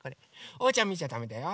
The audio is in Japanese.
おうちゃんみちゃだめだよ。